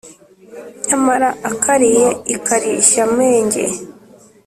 Nyamara akariye ikarishyamenge